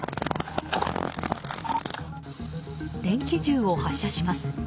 電気銃を発射します。